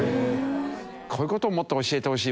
「こういう事をもっと教えてほしい」